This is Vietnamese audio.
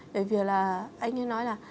bởi vì là anh ấy nói là